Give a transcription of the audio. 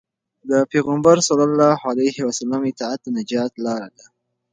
د پيغمبر ﷺ اطاعت د نجات لار ده.